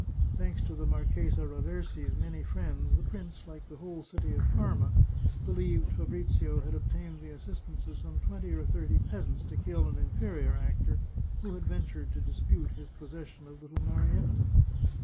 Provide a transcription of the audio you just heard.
Thanks to the Marchesa Ra versi's many friends, the prince, like the whole city of Parma, believed Fabrizio had obtained the assistance of some twenty or thirty peasants to kill an inferior actor who had ventured to dispute his possession of little Marietta.